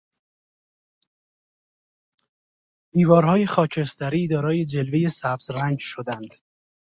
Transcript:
دیوارهای خاکستری دارای جلوهی سبز رنگ شدند.